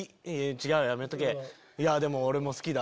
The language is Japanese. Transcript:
「違うやめとけでも俺も好きだ」。